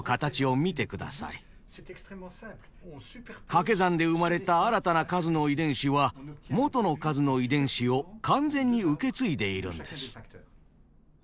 かけ算で生まれた新たな数の遺伝子は元の数の遺伝子を完全に受け継いでいるんです。